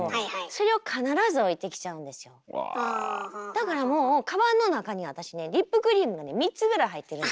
だからもうカバンの中に私ねリップクリームがね３つぐらい入ってるの。